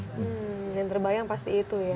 hmm yang terbayang pasti itu ya